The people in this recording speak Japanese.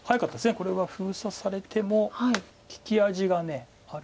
これは封鎖されても利き味がある。